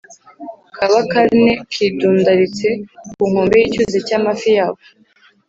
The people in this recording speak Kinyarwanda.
ka Bakarne kidundaritse ku nkombe y’ icyuzi cy’ amafi yako